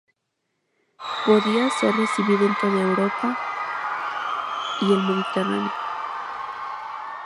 Podía ser recibida en toda Europa y el Mediterráneo.